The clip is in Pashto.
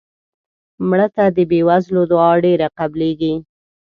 مړه ته د بې وزلو دعا ډېره قبلیږي